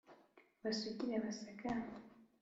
Basugire basagambe